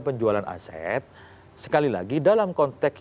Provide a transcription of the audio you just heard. penjualan aset sekali lagi dalam konteks